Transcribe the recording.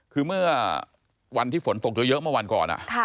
คือเมื่อวันที่ฝนตกเยอะเมื่อวันก่อน